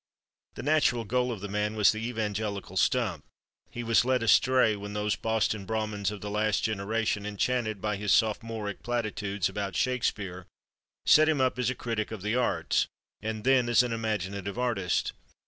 The natural goal of the man was the evangelical stump. He was led astray when those Boston Brahmins of the last generation, enchanted by his sophomoric platitudes about Shakespeare, set him up as a critic of the arts, and then as an imaginative artist.